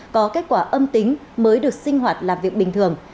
có kết quả âm tính mới được sinh hoạt làm việc bình thường